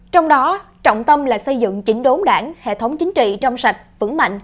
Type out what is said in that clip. trong đó trọng tâm là xây dựng chỉnh đốn đảng hệ thống chính trị trong sạch vững mạnh